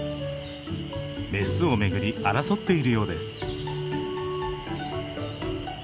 メスを巡り争っているようです。